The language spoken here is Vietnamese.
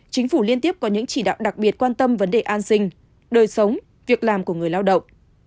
chính phủ liên tiếp có những chỉ đạo đặc biệt quan tâm vấn đề an sinh đời sống việc làm của người lao động